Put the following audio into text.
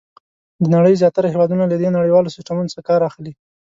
د نړۍ زیاتره هېوادونه له دې نړیوال سیسټمونو څخه کار اخلي.